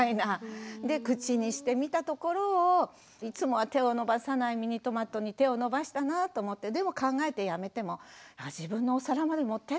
で口にしてみたところをいつもは手を伸ばさないミニトマトに手を伸ばしたなぁと思ってでも考えてやめても「あ自分のお皿まで持ってたんだね」